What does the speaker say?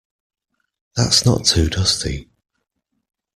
That's not too dusty.